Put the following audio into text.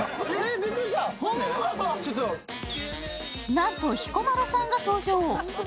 なんと彦摩呂さんが登場。